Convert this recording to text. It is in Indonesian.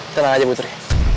tenang aja putri